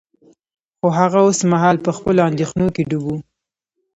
خو هغه اوس مهال په خپلو اندیښنو کې ډوب و